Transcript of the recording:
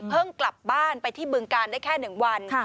เพิ่งกลับบ้านไปที่บึงการได้แค่หนึ่งวัน